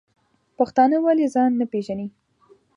پښتانه ولی ځان نه پیژنی؟